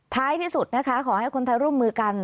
ท้ายที่สุดนะคะขอให้คนไทยร่วมมือกัน